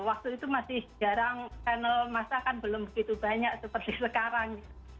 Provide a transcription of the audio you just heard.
waktu itu masih jarang channel masa kan belum begitu banyak seperti sekarang